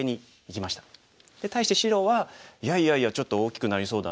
対して白は「いやいやいやちょっと大きくなりそうだな。